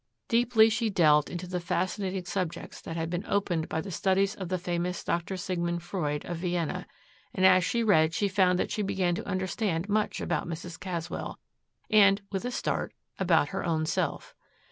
Deeply she delved into the fascinating subjects that had been opened by the studies of the famous Dr. Sigmund Freud of Vienna, and as she read she found that she began to understand much about Mrs. Caswell and, with a start, about her own self.